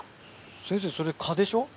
先生それ蚊でしょ？